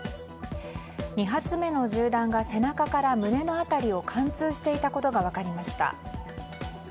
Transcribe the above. ２発目の銃弾が背中から胸の辺りを貫通していたことが分かりました。